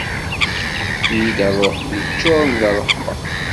Efk-iyi-d ṛṛuḥ yeččuren d ṛṛeḥma.